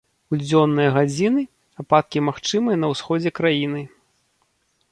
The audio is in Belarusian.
У дзённыя гадзіны ападкі магчымыя на ўсходзе краіны.